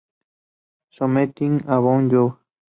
Something about you